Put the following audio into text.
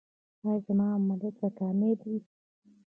ایا زما عملیات به کامیابه وي؟